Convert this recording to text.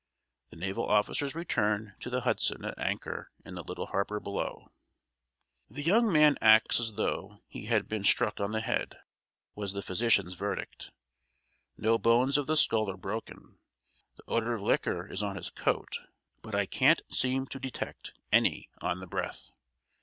The naval officers returned to the "Hudson," at anchor in the little harbor below. "The young man acts as though he had been struck on the head," was the physician's verdict. "No bones of the skull are broken. The odor of liquor is on his coat, but I can't seem to detect any on the breath."